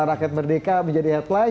rakyat merdeka menjadi headline